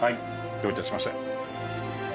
どういたしまして。